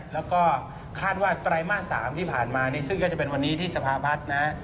แล้วก็คาดว่าไตรมาส๓ที่ผ่านมานี่ซึ่งก็จะเป็นวันนี้ที่สภาพัฒน์นะ